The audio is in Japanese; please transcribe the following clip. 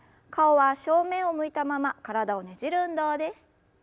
顔は正面を向いたまま体をねじる運動です。